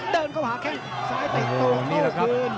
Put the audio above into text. เดินเข้าหาแข่งซ้ายไปตรงโม่กลืน